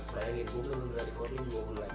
bayangin gua menunda recording dua bulan